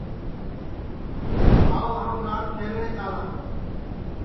آو ہم راند کھیلٹؔے چالاں